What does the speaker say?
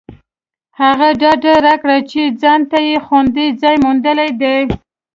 هغې ډاډ راکړ چې ځانته یې خوندي ځای موندلی دی